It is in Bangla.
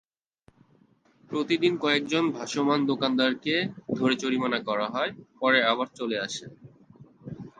প্রতিদিনই কয়েকজন ভাসমান দোকানদারকে ধরে জরিমানা করা হয়, পরে আবার চলে আসে।